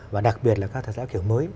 và đặc biệt là các hợp tác xã kiểu mới